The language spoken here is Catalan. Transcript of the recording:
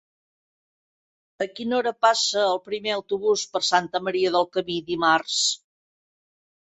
A quina hora passa el primer autobús per Santa Maria del Camí dimarts?